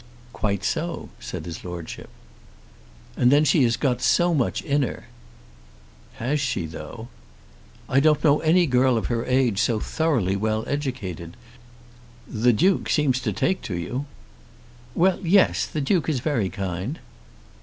"Quite so," said his Lordship. "And then she has got so much in her." "Has she though?" "I don't know any girl of her age so thoroughly well educated. The Duke seems to take to you." "Well, yes; the Duke is very kind."